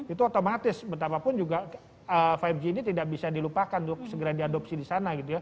itu otomatis betapapun juga lima g ini tidak bisa dilupakan segera diadopsi di sana